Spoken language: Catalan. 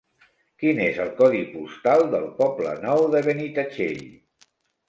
Quin és el codi postal del Poble Nou de Benitatxell?